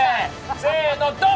せーの、ドン！